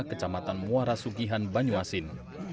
kecamatan muara sukihan banyuasin